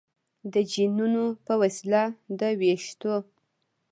د جینونو په وسیله د ویښتو